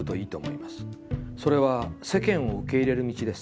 それは『世間』を受け入れる道です。